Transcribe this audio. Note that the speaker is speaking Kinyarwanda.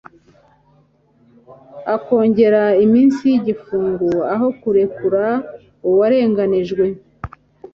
akongera iminsi y'igifungo aho kurekura uwarenganijwe.